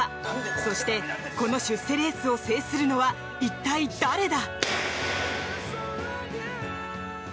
そして、この出世レースを制するのは一体誰だ？